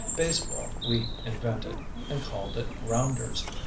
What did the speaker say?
Baseball we invented and called it rounders.